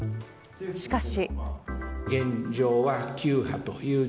しかし。